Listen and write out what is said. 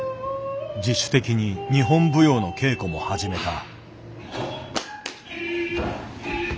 自主的に日本舞踊の稽古も始めた。